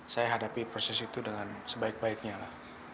saya hadapi proses itu dengan sebaik baiknya lah